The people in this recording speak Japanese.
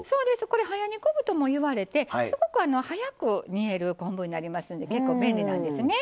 これ早煮昆布ともいわれてすごく早く煮える昆布になりますんで結構便利なんですね。